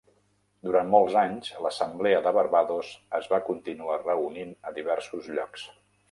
Durant molts anys, l'Assemblea de Barbados es va continuar reunint a diversos llocs.